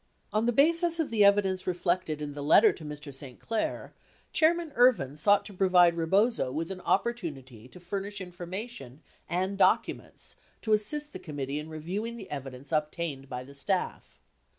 On the basis of the evidence reflected in the letter to Mr. St. Clair, Chairman Ervin sought to provide Rebozo with an opportunity to furnish information and documents to assist the committee in review ing the evidence obtained by the staff.